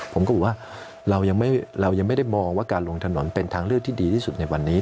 ผมก็บอกว่าเรายังไม่ได้มองว่าการลงถนนเป็นทางเลือกที่ดีที่สุดในวันนี้